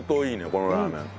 このラーメン。